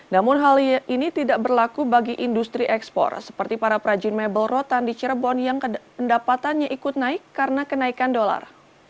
namun hal ini tidak berlaku bagi industri ekspor seperti para perajin mebel rotan di cirebon yang pendapatannya ikut naik karena kenaikan dolar